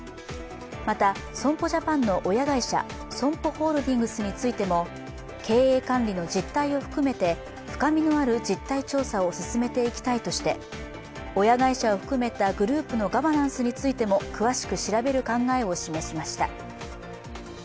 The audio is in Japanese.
また、損保ジャパンの親会社ＳＯＭＰＯホールディングスについても経営管理の実態を含めて深みのある実態調査を進めていきたいとして、親会社を含めたグループのガバナンスについても詳しく調べる考えを示しました。